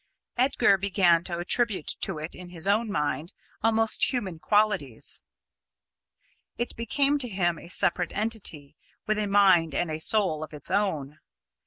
Edgar began to attribute to it, in his own mind, almost human qualities. It became to him a separate entity, with a mind and a soul of its own.